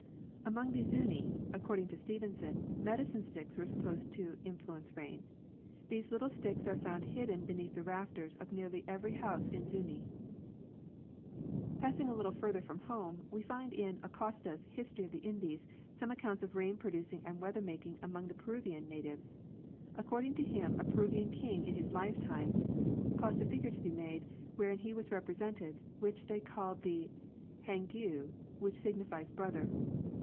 Among the Zuni, according to Stevenson, medicine sticks were supposed to influence rain. These little sticks are found hidden beneath the rafters of nearly every house in Zuni.* Passing a little further from home we find, in Acosta's '' His tory of the Indies,'+ some accounts of rain producing and weather making among the Peruvian natives. According to him a Peruvian king in his lifetime caused a figure to be made wherein he was represented, which they called Huaugue, which signifies brother.